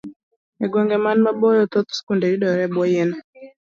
E gwenge man maboyo, thoth skunde yudore e bwo yien.